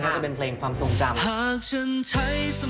จะเป็นเพลงความทรงจำ